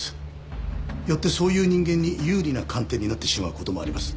よってそういう人間に有利な鑑定になってしまう事もあります。